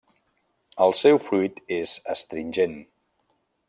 El seu fruit és astringent.